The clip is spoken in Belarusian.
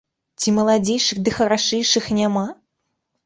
Ці маладзейшых ды харашэйшых няма?